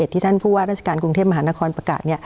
ที่ท่านผู้ว่าราชการกรุงเทพมหานครประกาศ